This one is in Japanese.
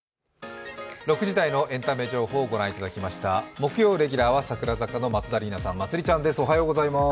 木曜レギュラーは櫻坂の松田里奈さん、まつりちゃんです。